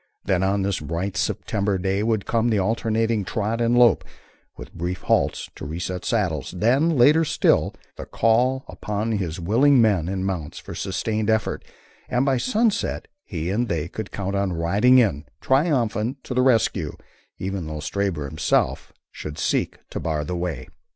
Then on this bright September day would come the alternating trot and lope, with brief halts to reset saddles; then, later still, the call upon his willing men and mounts for sustained effort, and by sunset he and they could count on riding in, triumphant, to the rescue, even though Stabber himself should seek to bar the way.